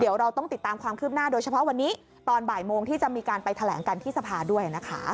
เดี๋ยวเราต้องติดตามความคืบหน้าโดยเฉพาะวันนี้ตอนบ่ายโมงที่จะมีการไปแถลงกันที่สภาด้วยนะคะ